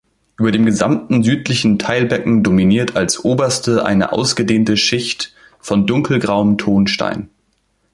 Über dem gesamten südlichen Teilbecken dominiert als oberste eine ausgedehnte Schicht von dunkelgrauem Tonstein.